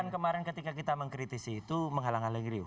bukan kemarin ketika kita mengkritisi itu menghalang halangi rio